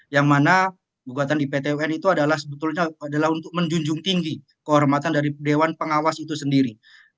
yang mana gugatan di pt un itu adalah sebetulnya adalah untuk menjunjung tinggi kehormatan dari dewan pengawas itu sendiri